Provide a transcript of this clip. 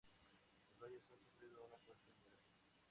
Los valles han sufrido una fuerte emigración.